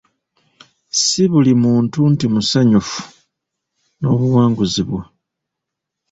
Ssi buli muntu nti musanyufu n'obuwanguzi bwo.